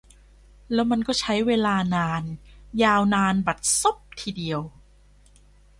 แล้วมันก็ใช้เวลานาน ยาวนานบัดซบทีเดียว